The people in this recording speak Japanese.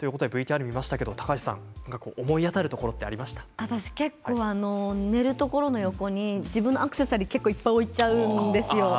高橋さん、思い当たるところって私、寝るところの横に自分のアクセサリーをいっぱい置いちゃうんですよ。